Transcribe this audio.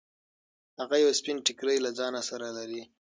هغه یو سپین ټیکری له ځان سره لري.